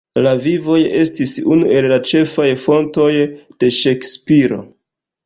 La "Vivoj" estis unu el la ĉefaj fontoj de Ŝekspiro.